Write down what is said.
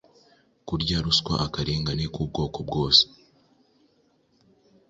Kurya ruswa, akarengane k‟ubwoko bwose,